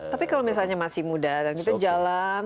tapi kalau misalnya masih muda dan kita jalan